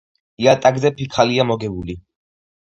იატაკზე ფიქალია მოგებული.